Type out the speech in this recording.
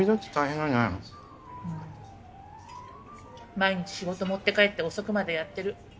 毎日仕事持って帰って遅くまでやってる。